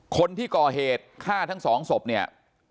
คนที่ก่อเหตุฆ่าทั้งสองศพเนี่ย